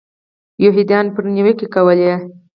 یهودیانو پرې نیوکې کولې.